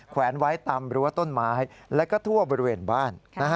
แวนไว้ตามรั้วต้นไม้แล้วก็ทั่วบริเวณบ้าน